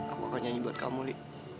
aku akan nyanyi buat kamu nih